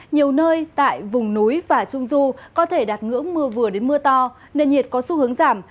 nhiều nơi tại vùng núi và trung du có thể đạt ngưỡng mưa vừa đến mưa to nền nhiệt có xu hướng giảm